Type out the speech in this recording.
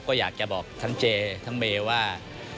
ก็อยากจะบอกท่านเจท่านเมว่า